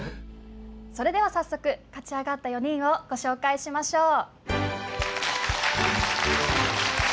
それでは早速勝ち上がった４人をご紹介しましょう。